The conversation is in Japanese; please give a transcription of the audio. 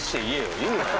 言うなよ。